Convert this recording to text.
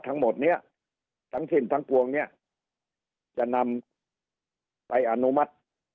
ทั้งหมดเนี่ยทั้งสิ้นทั้งปวงเนี่ยจะนำไปอนุมัติ